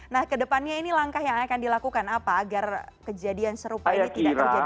nah kedepannya ini langkah yang akan dilakukan apa agar kejadian serupa ini tidak terjadi